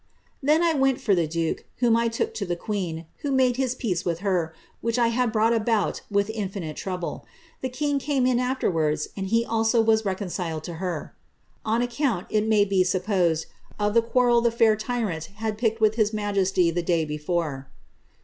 ^ Then I went for the duke, whom I took to the queen, who made hii peace with her, which I had brought about with infinite trouble. The king came in afterwards, and he also was reconciled to her," on account, it may be supposed, of the quarrel the fair tyrant had picked with hii majesty the day before.